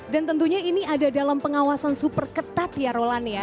dan tentunya ini ada dalam pengawasan super ketat ya roland ya